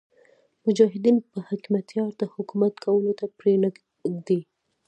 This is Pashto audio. مجاهدین به حکمتیار ته حکومت کولو ته پرې نه ږدي.